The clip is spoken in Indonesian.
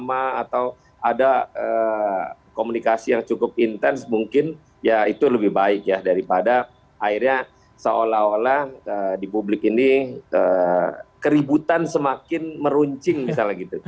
atau ada komunikasi yang cukup intens mungkin ya itu lebih baik ya daripada akhirnya seolah olah di publik ini keributan semakin meruncing misalnya gitu